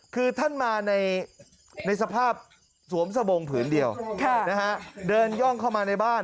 คือท่านมาในสภาพสวมสบงผืนเดียวเดินย่องเข้ามาในบ้าน